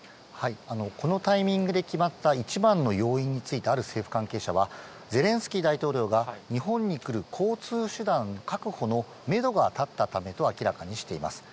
このタイミングで決まった一番の要因について、ある政府関係者は、ゼレンスキー大統領が日本に来る交通手段確保のメドが立ったためと明らかにしています。